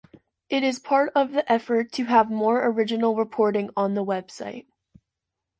It is part of the effort to have more original reporting on the website.